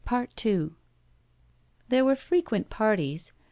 he said. There were frequent parties.